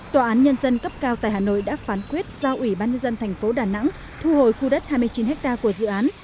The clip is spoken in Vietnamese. tòa án nhân dân cấp cao tại hà nội đã phán quyết giao ủy ban nhân dân thành phố đà nẵng thu hồi khu đất hai mươi chín ha của dự án